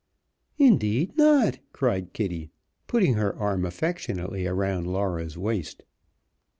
"Indeed not!" cried Kitty, putting her arm affectionately around Laura's waist.